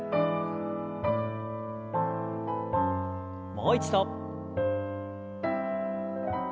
もう一度。